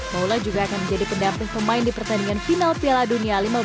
maula juga akan menjadi pendamping pemain di pertandingan final piala dunia lima belas